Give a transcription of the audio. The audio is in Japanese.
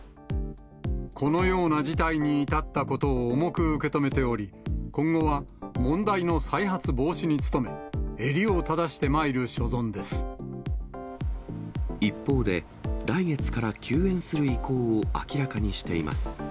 このような事態に至ったことを重く受け止めており、今後は問題の再発防止に努め、一方で、来月から休園する意向を明らかにしています。